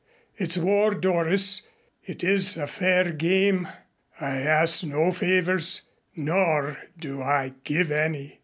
It's war, Doris. It is a fair game. I ask no favors nor do I give any."